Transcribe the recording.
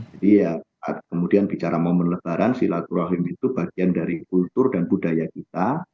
jadi ya kemudian bicara momen lebaran silaturahim itu bagian dari kultur dan budaya kita